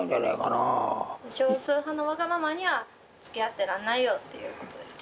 少数派のわがままにはつきあってらんないよっていうことですか。